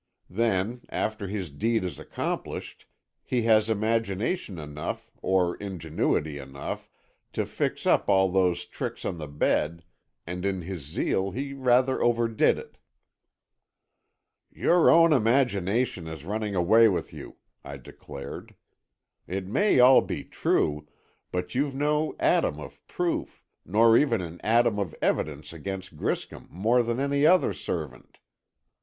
Then, after his deed is accomplished, he has imagination enough, or ingenuity enough to fix up all those tricks on the bed, and in his zeal he rather overdid it." "Your own imagination is running away with you," I declared. "It may all be true, but you've no atom of proof, nor even an atom of evidence against Griscom more than any other servant.